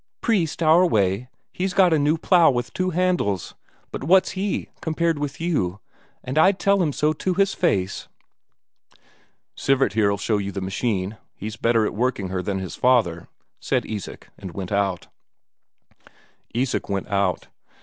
Priest, our way, he's got a new plough with two handles; but what's he, compared with you, and I'd tell him so to his face." "Sivert here'll show you the machine; he's better at working her than his father," said Isak, and went out. Isak went out.